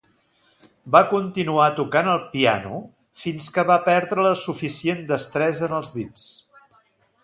Va continuar tocant el piano fins que va perdre la suficient destresa en els dits.